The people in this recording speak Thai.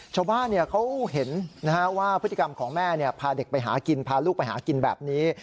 ชาวบ้านเขาเห็นว่าพฤติกรรมของแม่พาเด็กไปหากินพาลูกไปหากินแบบนี้